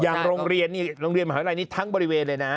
โรงเรียนนี่โรงเรียนมหาวิทยาลัยนี้ทั้งบริเวณเลยนะ